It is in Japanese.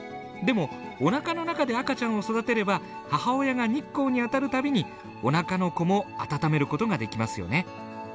でもお腹の中で赤ちゃんを育てれば母親が日光に当たる度にお腹の子も温めることができますよね。